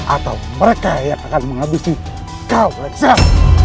atau mereka yang akan menghabisi kau lekser